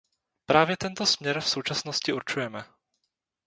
Právě tento směr v současnosti určujeme.